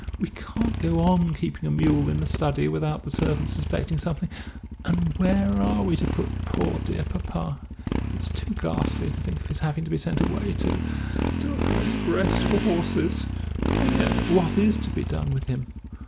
We can't go on keeping a mule in the study without the servants suspecting something, and where are we to put poor, dear papa? It's too ghastly to think of his having to be sent away to to a Home of Rest for Horses and yet what is to be done with him?...